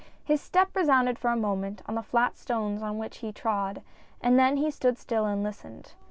His step resounded for a moment on the flat stones on which he trod, and then he stood still and listened.